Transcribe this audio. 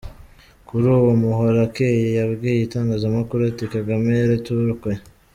Kuri ubu, Muhorakeye yabwiye itangazamakuru ati “Kagame yaraturokoye.